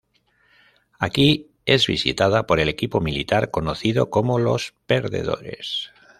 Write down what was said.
Aquí, es visitada por el equipo militar conocido como Los Perdedores.